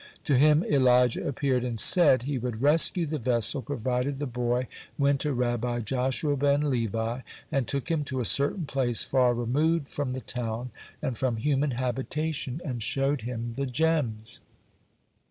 To him Elijah appeared and said, he would rescue the vessel, provided the boy went to Rabbi Joshua ben Levi, and took him to a certain place far removed from the town and from human habitation, and showed him the gems.